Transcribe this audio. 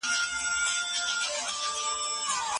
ایا بهرني سوداګر شین ممیز اخلي؟